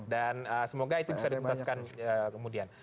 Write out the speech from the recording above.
dan semoga itu bisa dituntaskan kemudian